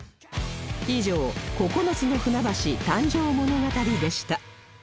以上９つの船橋誕生物語でした